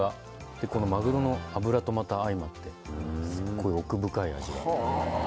でこのマグロの脂とまた相まってすっごい奥深い味が。